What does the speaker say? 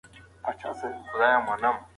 د مذهب نفوذ په ټوله اروپا کي خپور و.